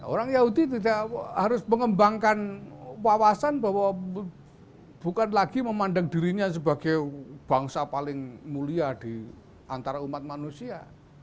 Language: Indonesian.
orang yahudi tidak harus mengembangkan wawasan bahwa bukan lagi memandang dirinya sebagai bangsa paling mulia di antara umat manusia